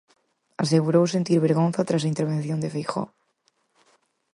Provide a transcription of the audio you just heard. Asegurou sentir vergonza tras a intervención de Feijóo.